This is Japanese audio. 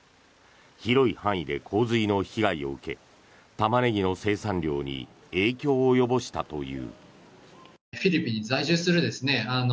広い範囲で洪水の被害を受けタマネギの生産量に影響を及ぼしたという。